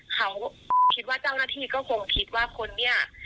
เขาคิดว่าเจ้าหน้าที่ก็คงคิดว่าคนเนี่ย